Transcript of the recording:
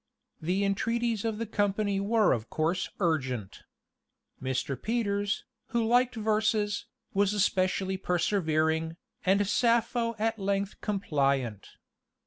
The entreaties of the company were of course urgent. Mr. Peters, "who liked verses," was especially persevering, and Sappho at length compliant.